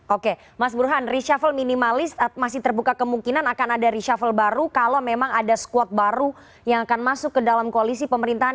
oke mas burhan reshuffle minimalis masih terbuka kemungkinan akan ada reshuffle baru kalau memang ada squad baru yang akan masuk ke dalam koalisi pemerintahan